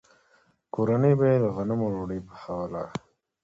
کورنۍ به یې له غنمو ډوډۍ پخوله.